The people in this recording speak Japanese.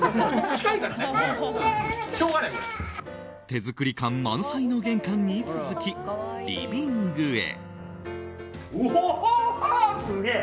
手作り感満載の玄関に続きリビングへ。